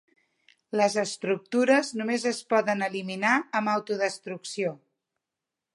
Les estructures només es poden eliminar amb autodestrucció.